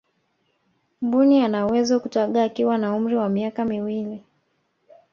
mbuni anawezo kutaga akiwa na umri wa miaka miwili